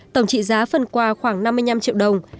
tổng trị giá phần quà khoảng năm mươi năm triệu đồng